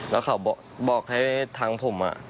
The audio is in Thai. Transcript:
แล้วเขาบอกให้ทางผม